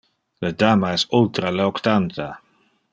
Le dama es ultra le octanta.